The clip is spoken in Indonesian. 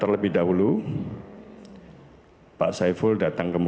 saksi datang jam enam belas